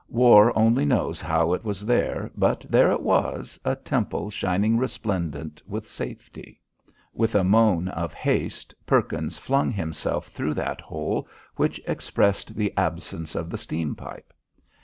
War only knows how it was there, but there it was, a temple shining resplendent with safety. With a moan of haste, Perkins flung himself through that hole which expressed the absence of the steam pipe.